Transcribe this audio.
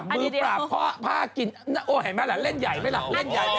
มือปลาผ้ากลิ่นโอ้เห็นไหมละเล่นใหญ่ไหมละ